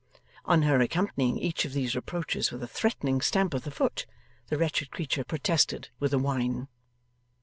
On her accompanying each of these reproaches with a threatening stamp of the foot, the wretched creature protested with a whine.